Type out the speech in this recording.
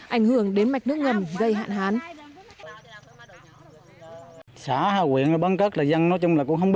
ảnh hưởng đến mạch nước ngầm gây hạn hán